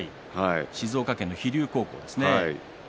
静岡県飛龍高校ですね。